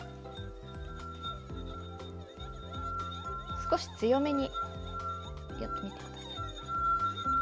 少し強めにやってみてください。